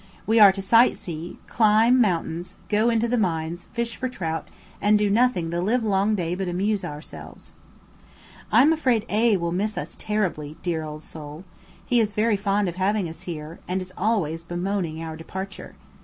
We are to sight see, climb I mountains, go into the mines, fish for trout, and do nothing the live long day but amuse ourselves. I am afraid A will miss us terribly, dear old soul! He is very fond of having us here, and is always bemoaning our departure.